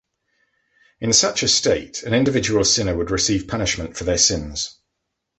In such a state, an individual sinner would receive punishment for their sins.